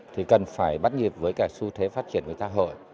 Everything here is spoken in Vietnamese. thì cần phải bắt nhịp với cả xu thế phát triển của xã hội